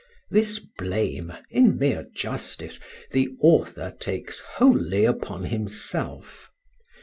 This blame, in mere justice, the author takes wholly upon himself.